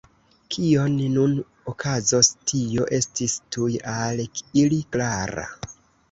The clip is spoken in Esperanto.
Kio nun okazos, tio estis tuj al ili klara.